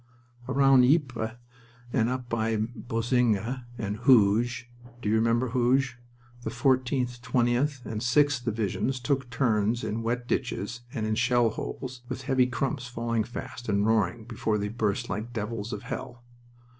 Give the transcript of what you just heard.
Round Ypres, and up by Boesinghe and Hooge you remember Hooge? the 14th, 20th, and 6th Divisions took turns in wet ditches and in shell holes, with heavy crumps falling fast and roaring before they burst like devils of hell.